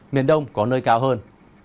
miền đông có nơi cao hơn